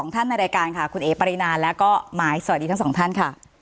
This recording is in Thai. ท่านในรายการค่ะคุณเอ๋ปรินาแล้วก็หมายสวัสดีทั้งสองท่านค่ะ